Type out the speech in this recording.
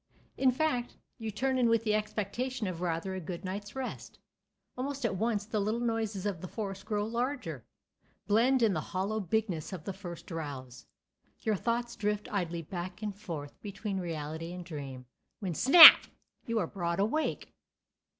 In fact, you turn in with the expectation of rather a good night's rest. Almost at once the little noises of the forest grow larger, blend in the hollow bigness of the first drowse; your thoughts drift idly back and forth between reality and dream; when—snap!—you are broad awake!